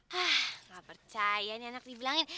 hah gak percaya nih anak dibilangin